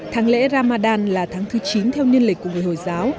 tháng lễ ramadan là tháng thứ chín theo niên lịch của người hồi giáo